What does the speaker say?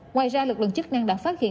ngoài ra lực lượng chức năng đã phát hiện